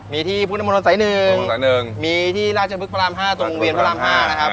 มีที่พุทธมนตรสัยหนึ่งพุทธมนตรสัยหนึ่งมีที่ราชบึกพระรามห้าตรงเวียนพระรามห้านะครับ